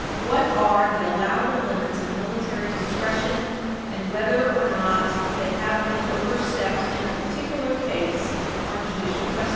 "What are the allowable limits of military discretion, and whether or not they have been overstepped in a particular case, are judicial questions."